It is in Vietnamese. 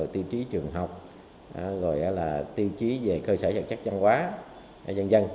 tiêu chí trường học tiêu chí về cơ sở chắc chắn hóa